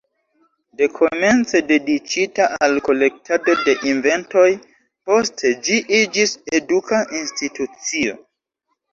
Dekomence dediĉita al kolektado de inventoj, poste ĝi iĝis eduka institucio.